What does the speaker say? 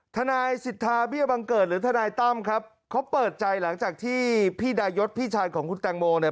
ทนายสิทธาเบี้ยบังเกิดหรือทนายตั้มครับเขาเปิดใจหลังจากที่พี่ดายศพี่ชายของคุณแตงโมเนี่ย